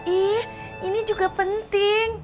ih ini juga penting